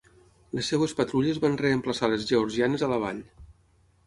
Les seves patrulles van reemplaçar les georgianes a la vall.